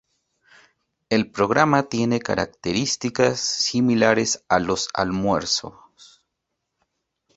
El programa tiene características similares a los almuerzos.